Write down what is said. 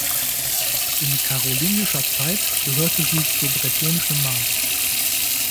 In karolingischer Zeit gehörte sie zur Bretonischen Mark.